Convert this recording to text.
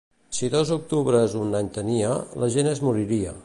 Si dos octubres un any tenia, la gent es moriria.